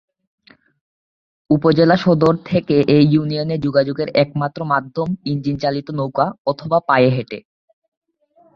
উপজেলা সদর থেকে এ ইউনিয়নে যোগাযোগের একমাত্র মাধ্যম ইঞ্জিন চালিত নৌকা অথবা পায়ে হেঁটে।